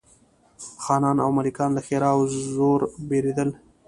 خانان او ملکان له ښرا او زور بېرېدل.